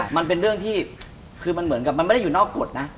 มันเป็นเรื่องที่คือมันเหมือนกับมันไม่ได้อยู่นอกกฎนะ